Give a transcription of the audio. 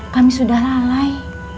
kami sudah lalai